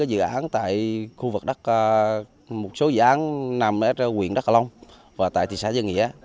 dự án tại khu vực đắk một số dự án nằm ở huyện đắk cà long và tại thị xã dân nghĩa